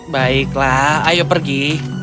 baiklah ayo pergi